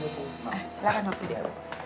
silahkan nanti dia